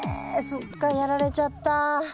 そっかやられちゃった。